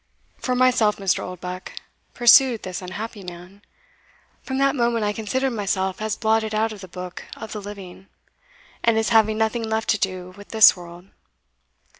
For myself, Mr. Oldbuck," pursued this unhappy man, "from that moment I considered myself as blotted out of the book of the living, and as having nothing left to do with this world.